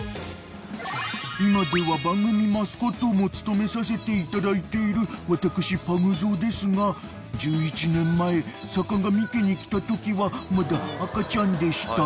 ［今では番組マスコットも務めさせていただいている私パグゾウですが１１年前坂上家に来たときはまだ赤ちゃんでした］